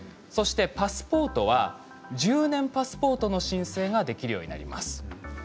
そしてパスポートは１０年パスポートの申請ができるようになります。